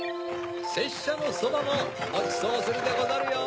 せっしゃのそばもごちそうするでござるよ！